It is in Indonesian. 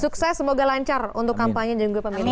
sukses semoga lancar untuk kampanye janggut pemilik